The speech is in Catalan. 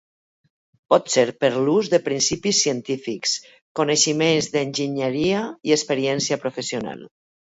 Pot ser per l'ús de principis científics, coneixements d'enginyeria i experiència professional.